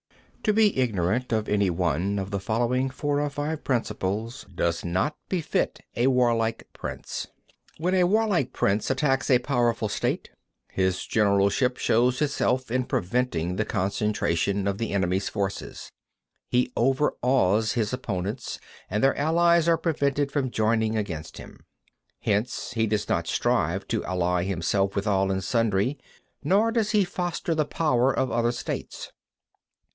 53. To be ignorant of any one of the following four or five principles does not befit a warlike prince. 54. When a warlike prince attacks a powerful state, his generalship shows itself in preventing the concentration of the enemy's forces. He overawes his opponents, and their allies are prevented from joining against him. 55. Hence he does not strive to ally himself with all and sundry, nor does he foster the power of other states.